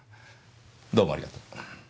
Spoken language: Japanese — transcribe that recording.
どうもありがとう。